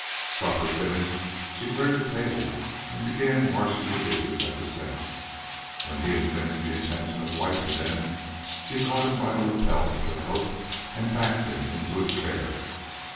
Supper finished, she cleared the table and began washing the dishes at the sink. When he evinced the intention of wiping them, she caught him by the lapels of the coat and backed him into a chair.